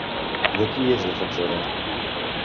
De qui és defensora?